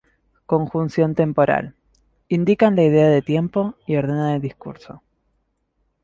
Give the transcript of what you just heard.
Conjunción temporal: Indican la idea de tiempo, y ordenan el discurso.